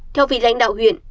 theo vị lãnh đạo huyện